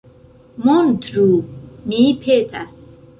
Montru, mi petas.